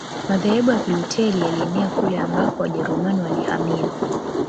Madhehebu ya Kilutheri yalienea kule ambako Wajerumani walihamia